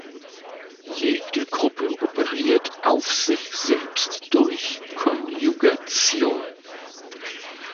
Jede Gruppe operiert auf sich selbst durch Konjugation.